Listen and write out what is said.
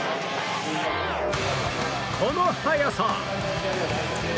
この速さ！